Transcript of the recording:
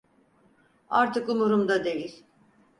Artık umurumda değil.